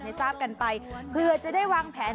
ให้ทราบกันไปเผื่อจะได้วางแผน